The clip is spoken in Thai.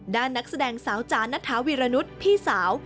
นักแสดงสาวจานัทธาวีรนุษย์พี่สาว